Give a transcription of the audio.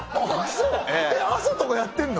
そう朝とかやってんの？